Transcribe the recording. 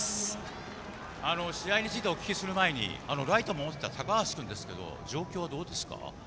試合についてお聞きする前にライト守っていた高橋君ですが状況はどうですか？